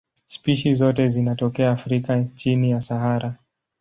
Spishi zote zinatokea Afrika chini ya Sahara.